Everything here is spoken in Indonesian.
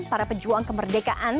para pejuang kemerdekaan